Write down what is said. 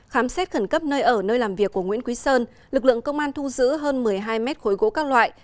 khám xét khẩn cấp nơi ở nơi làm việc của nguyễn quý sơn lực lượng công an thu giữ hơn một mươi hai mét khối gỗ các loại